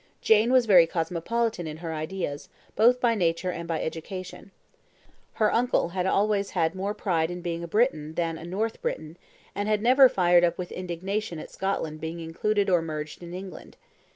Jane was very cosmopolitan in her ideas, both by nature and by education. Her uncle had always had more pride in being a Briton than a North Briton, and never had fired up with indignation at Scotland being included or merged in England.